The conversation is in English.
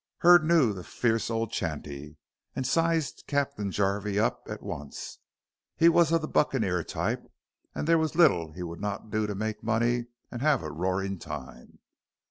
Hurd knew the fierce old chanty and sized Captain Jarvey up at once. He was of the buccaneer type, and there was little he would not do to make money and have a roaring time.